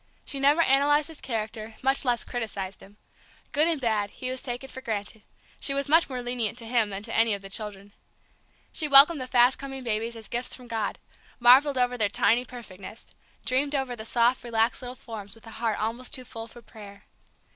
She never analyzed his character, much less criticised him. Good and bad, he was taken for granted; she was much more lenient to him than to any of the children. She welcomed the fast coming babies as gifts from God, marvelled over their tiny perfectness, dreamed over the soft relaxed little forms with a heart almost too full for prayer.